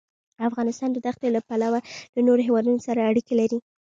افغانستان د ښتې له پلوه له نورو هېوادونو سره اړیکې لري.